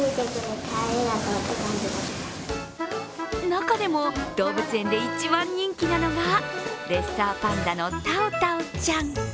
中でも、動物園で一番人気なのがレッサーパンダのタオタオちゃん。